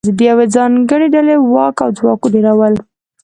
د یوې ځانګړې ډلې واک او ځواک ډېرول